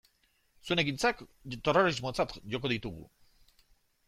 Zuen ekintzak terrorismotzat joko ditugu.